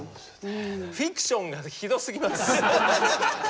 フィクションがひどすぎます。